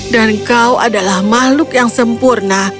dan kau adalah makhluk yang sempurna